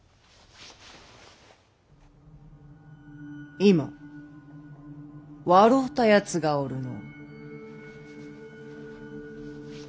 今笑うたやつがおるの。